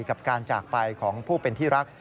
กับการจากไปของผู้เป็นที่รัก